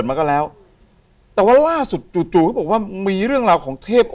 มาทำไมครับ